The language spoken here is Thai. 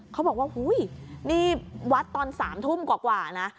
เขาบอกว่าฮุ้ยนี่วัดตอนสามทุ่มกว่ากว่านะ